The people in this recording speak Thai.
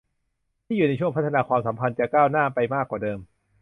ที่อยู่ในช่วงพัฒนาความสัมพันธ์จะก้าวหน้าไปมากกว่าเดิม